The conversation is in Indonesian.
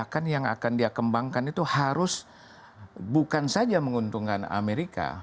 bahkan yang akan dia kembangkan itu harus bukan saja menguntungkan amerika